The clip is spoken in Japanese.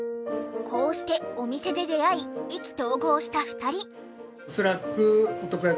こうしてお店で出会い意気投合した２人。